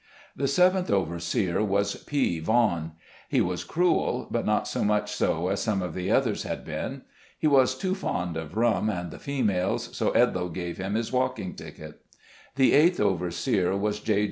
The seventh overseer was P Vaughn. He was cruel, but not so much so as some of the others had been. He was too fond of rum and the females, so Edloe gave him his walking ticket. The eighth overseer was J.